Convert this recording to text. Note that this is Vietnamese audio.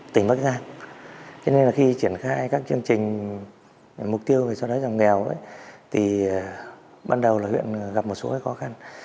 thì ban đầu là huyện gặp một số khó khăn